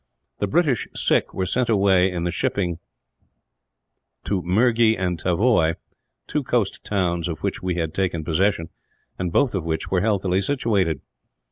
The British sick were sent away in the shipping to Mergy and Tavoy, two coast towns of which we had taken possession, and both of which were healthily situated.